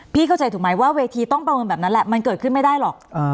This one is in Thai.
เข้าใจถูกไหมว่าเวทีต้องประเมินแบบนั้นแหละมันเกิดขึ้นไม่ได้หรอก